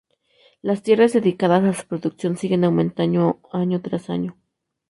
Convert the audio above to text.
Las tierras dedicadas a su producción siguen aumentando año tras año.